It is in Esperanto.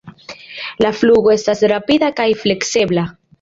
La flugo estas rapida kaj fleksebla.